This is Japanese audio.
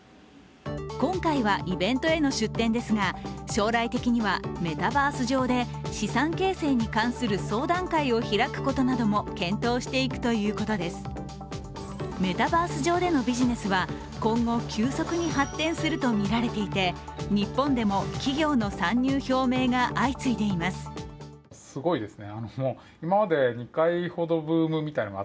今回はイベントへの出展ですが将来的には、メタバース上で資産形成に関するメタバース上でのビジネスは今後急速に発展するとみられていて、日本でも企業の参入表明が相次いでいます。